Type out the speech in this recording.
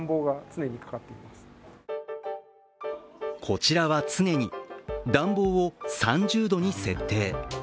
こちらは常に暖房を３０度に設定。